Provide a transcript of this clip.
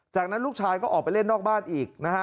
จากนั้นลูกชายก็ออกไปเล่นนอกบ้านอีกนะฮะ